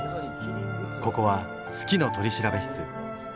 ここは「好きの取調室」。